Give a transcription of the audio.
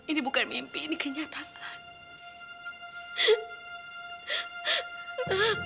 ini bukan mimpi ini kenyataan